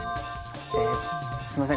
すいません。